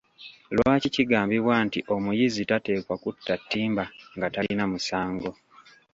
Lwaki kigambibwa nti omuyizzi tateekwa kutta ttimba nga talina musango?